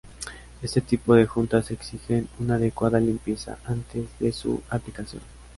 Este tipo de juntas exigen una adecuada limpieza antes de su aplicación.